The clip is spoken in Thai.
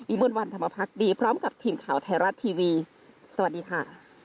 อีมุ่นวันทำมาพักดีพร้อมกับทีมข่าวไทรัสทีวีสวัสดีค่ะ